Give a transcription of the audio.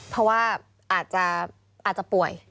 เพราะว่าอาจจะป่วย